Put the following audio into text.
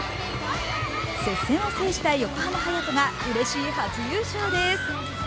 接戦を制した横浜隼人がうれしい初優勝です。